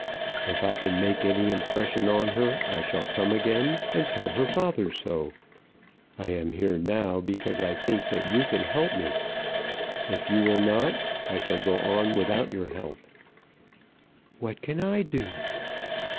If I can make any impression on her I shall come again and tell her father so. I am here now because I think that you can help me. If you will not, I shall go on without your help." "What can I do?"